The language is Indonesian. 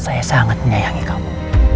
saya sangat menyayangi kamu